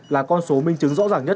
là con số minh chứng rõ ràng nhất